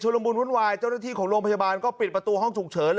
ละมุนวุ่นวายเจ้าหน้าที่ของโรงพยาบาลก็ปิดประตูห้องฉุกเฉิน